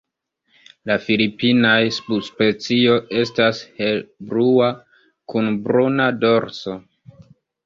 La filipinaj subspecio estas helblua kun bruna dorso.